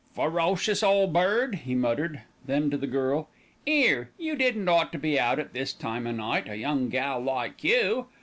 "Ferocious ole bird," he muttered. Then to the girl, "'Ere, you didn't ought to be out at this time o' night, a young gal like you.